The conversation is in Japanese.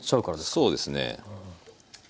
そうですね。